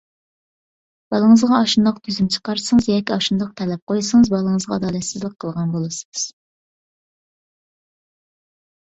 بالىڭىزغا ئاشۇنداق تۈزۈم چىقارسىڭىز، ياكى ئاشۇنداق تەلەپ قويسىڭىز، بالىڭىزغا ئادالەتسىزلىك قىلغان بولىسىز.